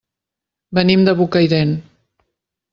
Venim de Bocairent.